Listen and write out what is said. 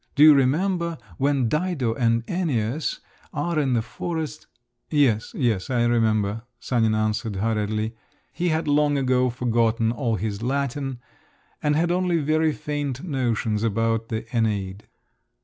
Do you remember when Dido and Æneas are in the forest?…" "Yes, yes, I remember," Sanin answered hurriedly. He had long ago forgotten all his Latin, and had only very faint notions about the Æneid.